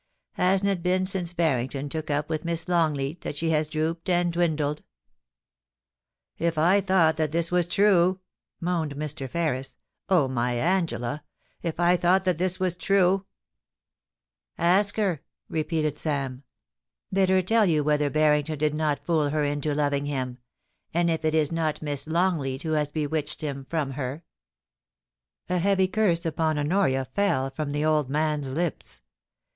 Hasn't it been since Barrington took up with Miss Longleat that she has drooped and dwindled ?* *If I thought that this was true!' moaned Mr. Ferris* * Oh, my Angela ! if I thought that this was true !' *Ask her,' repeated Sam. *Bid her tell you whether Barrington did not fool her into loving him; and if it is not Miss Longleat who has bewitched him from her ?* A heavy curse upon Honoria fell from the old man's lips.